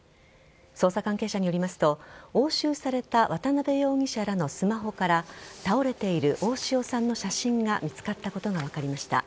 捜査関係者によりますと押収された渡辺容疑者らのスマホから倒れている大塩さんの写真が見つかったことが分かりました。